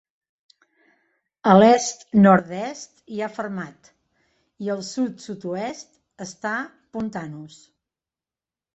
A l'est-nord-est hi ha Fermat, i al sud-sud-oest està Pontanus.